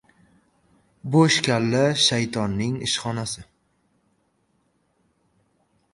Boʻsh kalla – shaytonning ishxonasi.